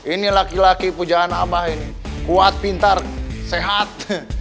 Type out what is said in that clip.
ini laki laki pujaan abah ini kuat pintar sehat